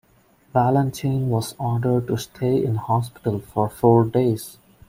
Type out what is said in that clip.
Valentine was ordered to stay in hospital for four days.